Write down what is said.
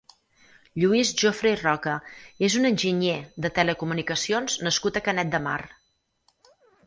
Lluís Jofre i Roca és un enginyer de telecomunicacions nascut a Canet de Mar.